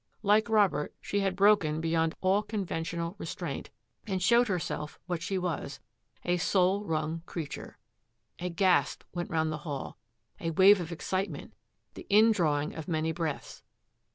Like Robert she had broken be yond all conventional restraint and showed herself what she was — a soul wrung creature. A ^asp went round the hall, a wave of excite ment, tiie in rawing of many breaths.